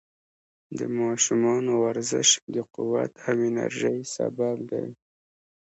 د ماشومانو ورزش د قوت او انرژۍ سبب دی.